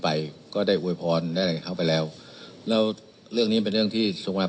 ไปก็ได้อวยพรได้เข้าไปแล้วแล้วเรื่องนี้เป็นเรื่องที่สุขภัย